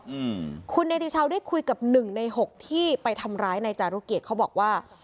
อืมคุณเนติชาวได้คุยกับหนึ่งในหกที่ไปทำร้ายนายจารุเกียจเขาบอกว่า